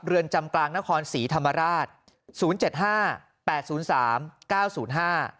เรือนจำกลางนครศรีธรรมราชศูนย์เจ็ดห้าแปดศูนย์สามเก้าศูนย์ห้า